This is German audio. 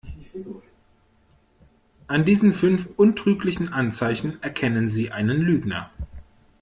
An diesen fünf untrüglichen Anzeichen erkennen Sie einen Lügner.